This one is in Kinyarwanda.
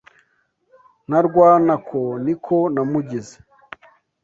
Na Rwantako niko namugize